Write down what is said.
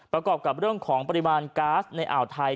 ประกอบกับเรื่องของปริมาณก๊าซในอ่าวไทย